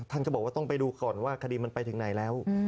ท่านก็บอกว่าต้องไปดูก่อนว่าคดีมันไปถึงไหนแล้ว